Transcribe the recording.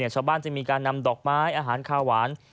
ชาวบ้านจะมีการนำดอกไม้อาหารคาหวาน